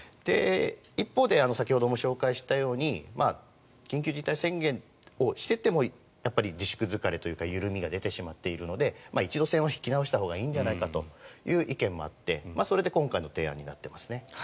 一方で、先ほども紹介したように緊急事態宣言をしていてもやっぱり自粛疲れというか緩みが出てしまっているので一度、線は引き直したほうがいいんじゃないかという意見もあってそれで今回の提案になっていますね。